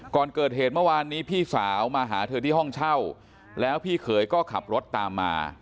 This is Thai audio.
ก่อนเกิดเหตุเมื่อวานนี้พี่สาวมาหาเธอที่ห้องเช่าแล้วพี่เขยก็ขับรถตามมา